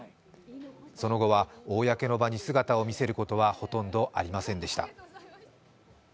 その後は公の場に姿を見せることはほとんどありませんでした。